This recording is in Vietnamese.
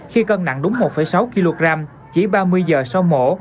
khi cân nặng đúng một sáu kg chỉ ba mươi giờ sau mổ